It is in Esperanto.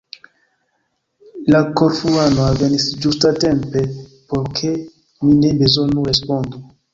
La Korfuano alvenis ĝustatempe, por ke mi ne bezonu respondi.